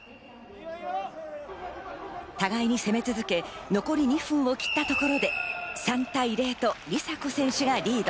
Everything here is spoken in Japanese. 互いに攻め続け、残り２分を切ったところで３対０と梨紗子選手がリード。